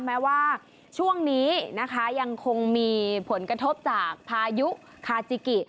แม้ว่าช่วงนี้นะคะยังคงมีผลกระทบจากพายุคาจิกิ